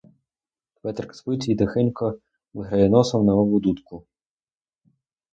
Петрик спить і тихенько виграє носом, немов у дудку.